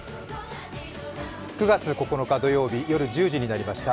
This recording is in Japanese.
９月９日土曜日夜１０時になりました。